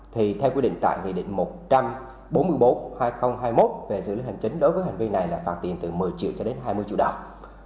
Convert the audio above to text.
thì theo quy định tại nghị định một trăm bốn mươi bốn hai nghìn hai mươi một về xử lý hành chính đối với hành vi này là phạt tiền từ một mươi triệu cho đến hai mươi triệu đồng